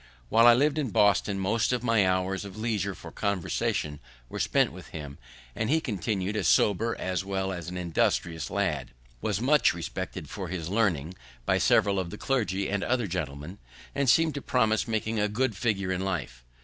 While I liv'd in Boston, most of my hours of leisure for conversation were spent with him, and he continu'd a sober as well as an industrious lad; was much respected for his learning by several of the clergy and other gentlemen, and seemed to promise making a good figure in life.